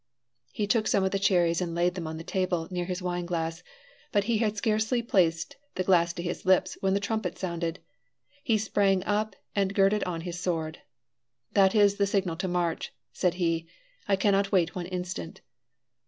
He took some of the cherries and laid them on the table, near his wine glass; but he had scarcely placed the glass to his lips when the trumpet sounded. He sprang up and girded on his sword. "That is the signal to march," said he. "I cannot wait one instant."